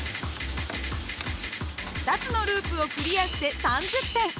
２つのループをクリアして３０点。